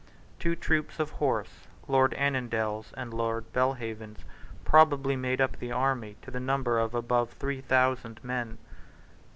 Two troops of horse, Lord Annandale's and Lord Belhaven's, probably made up the army to the number of above three thousand men.